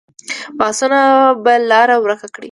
بحثونه به لاره ورکه کړي.